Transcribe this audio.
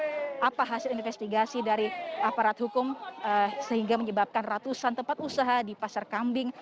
ini masih kita tunggu bersama sama apa hasil investigasi dari aparat hukum sehingga menyebabkan ratusan tempat usaha di pasar kambing